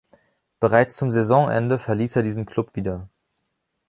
Bereits zum Saisonende verließ er diesen Klub wieder.